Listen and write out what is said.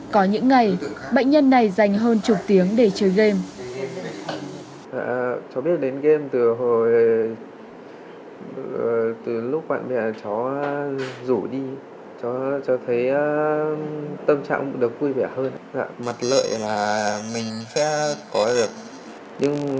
có những ngày bệnh nhân này dành hơn chục tiếng để chơi game